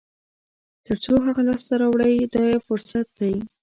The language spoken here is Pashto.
تر څو هغه لاسته راوړئ دا یو فرصت دی.